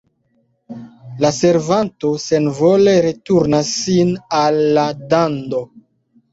La servanto senvole returnas sin al la dando.